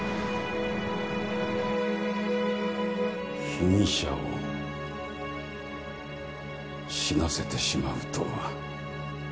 被疑者を死なせてしまうとは。